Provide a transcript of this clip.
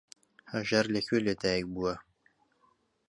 هەژار لە کوێ لەدایک بووە؟